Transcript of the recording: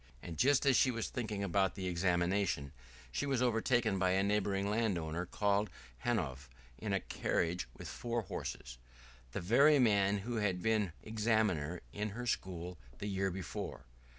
And just as she was thinking about the examination, she was overtaken by a neighboring landowner called Hanov in a carriage with four horses, the very man who had been examiner in her school the year before.